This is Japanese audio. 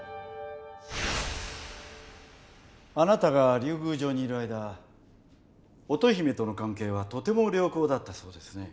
あなたが竜宮城にいる間乙姫との関係はとても良好だったそうですね？